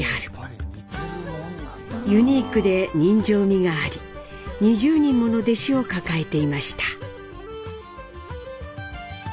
ユニークで人情味があり２０人もの弟子を抱えていました。